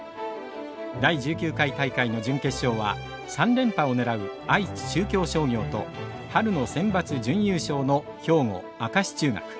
第１９回大会の準決勝は３連覇を狙う愛知・中京商業と春のセンバツ準優勝の兵庫・明石中学。